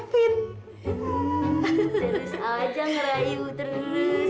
hmm terus aja ngerayu terus